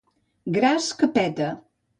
Gras que peta.